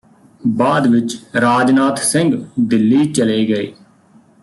ਬਾਅਦ ਵਿਚ ਰਾਜਨਾਥ ਸਿੰਘ ਦਿੱਲੀ ਚਲੇ ਗਏ